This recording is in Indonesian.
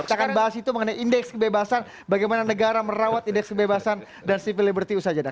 kita akan bahas itu mengenai indeks kebebasan bagaimana negara merawat indeks kebebasan dan civil liberty usaha jadah